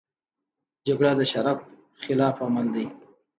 جګړه د شرف خلاف عمل دی